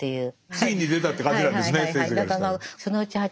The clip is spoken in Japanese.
ついに出たって感じなんですね